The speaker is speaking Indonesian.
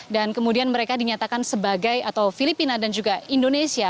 dan kemudian mereka dinyatakan sebagai atau filipina dan juga indonesia